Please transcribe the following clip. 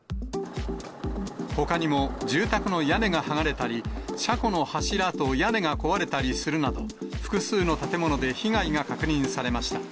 ほかにも住宅の屋根が剥がれたり、車庫の柱と屋根が壊れたりするなど、複数の建物で被害が確認されました。